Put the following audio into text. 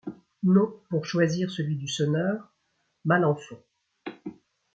Noms pour choisir celui du sonneur : Malenfant.